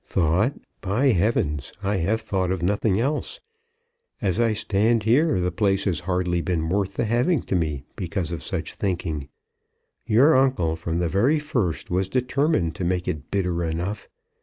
"Thought! By heavens, I have thought of nothing else. As I stand here, the place has hardly been worth the having to me, because of such thinking. Your uncle, from the very first, was determined to make it bitter enough.